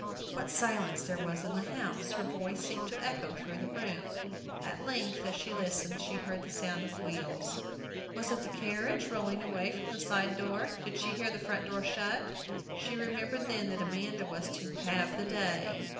What silence there was in the house! Her voice seemed to echo through the room. At length, as she listened, she heard the sound of wheels. Was it the carriage, rolling away from the side door? Did she hear the front door shut? She remembered then that Amanda was to "have the day."